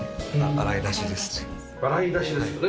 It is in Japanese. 洗い出しですよね。